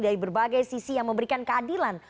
dari berbagai sisi yang memberikan keadilan